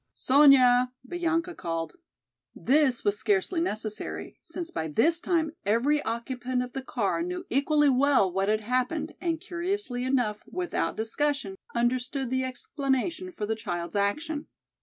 "Sonya!" Bianca called. This was scarcely necessary, since by this time every occupant of the car knew equally well what had happened and curiously enough, without discussion, understood the explanation for the child's action.